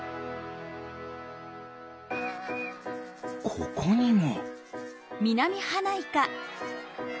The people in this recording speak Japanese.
ここにも。